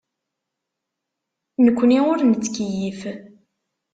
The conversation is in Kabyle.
Nekkni ur nettkeyyif.